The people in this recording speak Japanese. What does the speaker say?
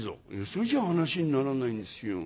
「それじゃあ話にならないんですよ。